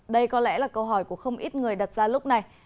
đây có lẽ là câu hỏi của không ít người đặt ra lúc này